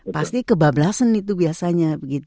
pasti kebablasan itu biasanya